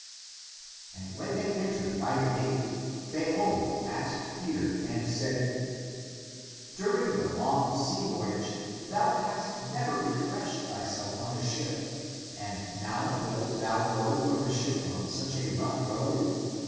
And when they entered by the gate Theon asked Pe ter and said, " During the long sea voyage thou hast never refreshed thyself on the ship, and now wilt thou go from the ship on such a rough road